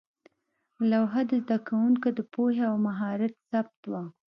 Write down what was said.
لوحه د زده کوونکو د پوهې او مهارت ثبت وه.